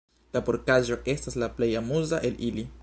La porkaĵo estas la plej amuza el ili.